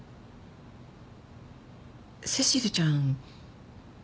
セシルちゃん。